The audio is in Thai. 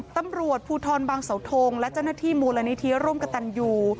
ตำรวจภูทรบางเสาทงและเจ้าหน้าที่มูลนิธิร่วมกับตันยู